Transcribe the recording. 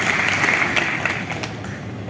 baik terima kasih